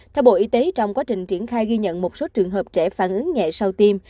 theo bộ y tế trong quá trình triển khai ghi nhận một số trường hợp trẻ phản ứng nhẹ sau tiêm